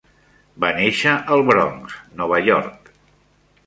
Va néixer al Bronx, Nova York.